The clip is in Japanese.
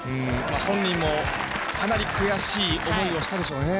本人も、かなり悔しい思いをしたでしょうね。